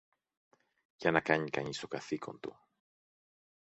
για να κάνει κανείς το καθήκον του.